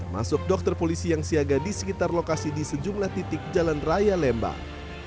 masuk dokter polisi yang siaga di sekitar lokasi di sejumlah titik jalan raya lembang